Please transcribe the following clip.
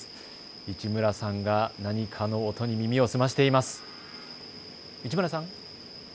市村さんが何かの音に耳を澄ませています。